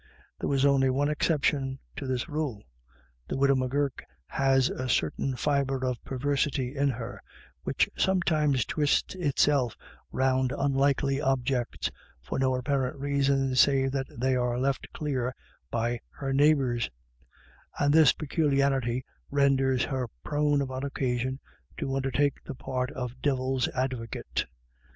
There was only one exception to this rule. The widow M'Gurk has a certain fibre of perversity in her, which some times twists itself round unlikely objects, for no apparent reason save that they are left clear by her neighbours; and this peculiarity renders her 294 IRISH IDYLLS. prone upon occasion to undertake the part of Dev il's Advocate.